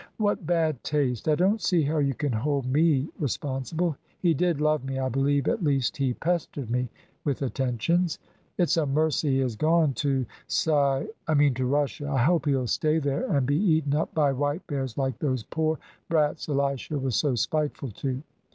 "What bad taste! I don't see how you can hold me responsible. He did love me, I believe at least, he pestered me with attentions. It's a mercy he has gone to Si I mean to Russia. I hope he'll stay there, and be eaten up by white bears like those poor brats Elisha was so spiteful to.